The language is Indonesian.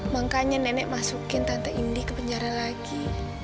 makanya nenek masukin tante indi ke penjara lagi